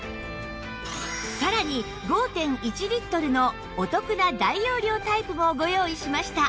さらに ５．１ リットルのお得な大容量タイプもご用意しました